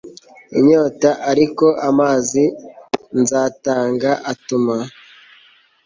inyota ariko amazi nzatanga atuma